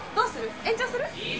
延長する？